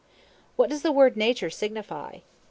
What does the word Nature signify?